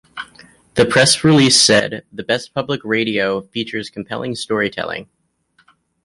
The press release said, The best public radio features compelling storytelling.